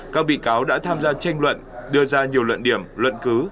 các bị cáo đã tham gia tranh luận đưa ra nhiều luận điểm luận cứ